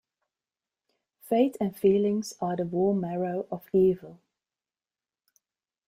Faith and feelings are the warm marrow of evil.